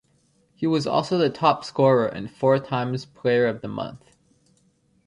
He was also the top scorer and four times player of the month.